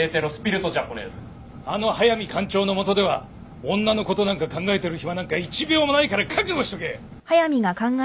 あの速水艦長の下では女のことなんか考えてる暇なんか一秒もないから覚悟しとけ！